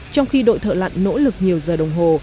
trong khi đội thợ lặn nỗ lực nhiều giờ đồng hồ